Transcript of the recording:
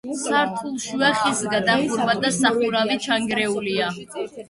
სართულშუა ხის გადახურვა და სახურავი ჩანგრეულია.